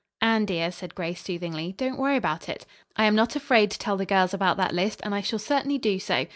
"Anne, dear," said Grace soothingly, "don't worry about it. I am not afraid to tell the girls about that list, and I shall certainly do so.